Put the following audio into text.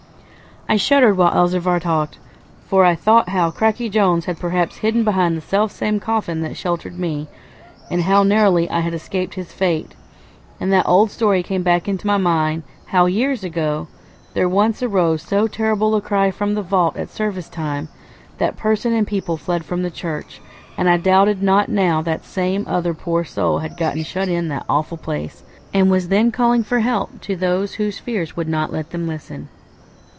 I shuddered while Elzevir talked, for I thought how Cracky Jones had perhaps hidden behind the self same coffin that sheltered me, and how narrowly I had escaped his fate. And that old story came back into my mind, how, years ago, there once arose so terrible a cry from the vault at service time, that parson and people fled from the church; and I doubted not now that some other poor soul had got shut in that awful place, and was then calling for help to those whose fears would not let them listen.